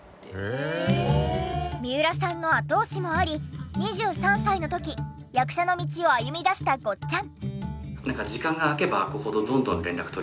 三浦さんの後押しもあり２３歳の時役者の道を歩み出したごっちゃん。